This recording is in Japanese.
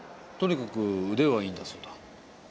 とにかく腕はいいんだそうだ。